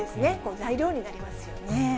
材料になりますよね。